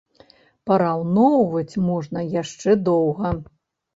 Параўноўваць можна яшчэ доўга.